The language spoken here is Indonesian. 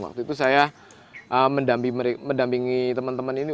waktu itu saya mendampingi teman teman ini